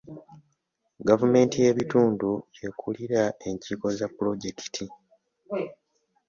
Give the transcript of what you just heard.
Gavumenti y'ebitundu y'ekulira enkiiko za pulojekiti.